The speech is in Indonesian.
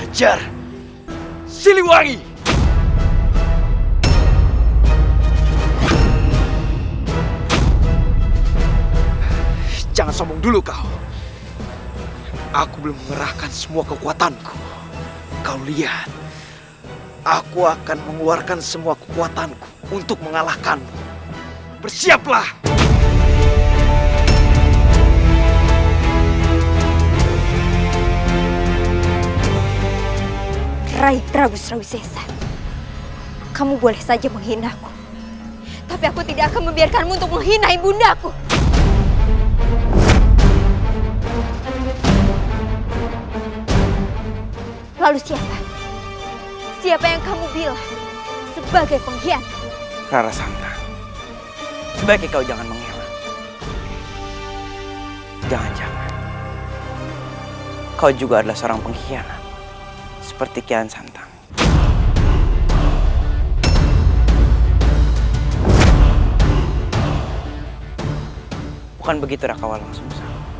jangan lupa like share dan subscribe channel ini untuk dapat info terbaru